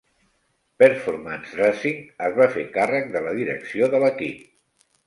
Performance Racing es va fer càrrec de la direcció de l'equip.